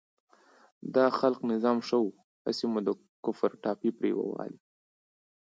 د خلق نظام ښه و، هسې مو د کفر ټاپې پرې ووهلې.